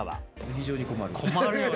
非常に困る。